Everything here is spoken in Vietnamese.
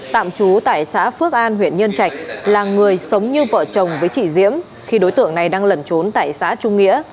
tạm trú tại xã phước an huyện nhân trạch là người sống như vợ chồng với chị diễm khi đối tượng này đang lẩn trốn tại xã trung nghĩa